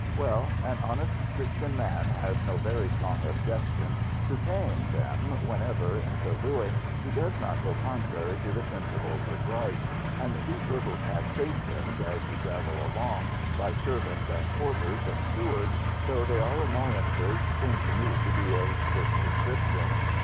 Well, an honest, Christian man has no very strong objection to paying them whenever, in so doing, he does not go contrary to the principles of right; and these little taxations, as you travel along, by servants and porters, and stewards, though they are annoyances, seem to me to be of this description.